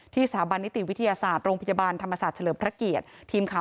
สถาบันนิติวิทยาศาสตร์โรงพยาบาลธรรมศาสตร์เฉลิมพระเกียรติทีมข่าว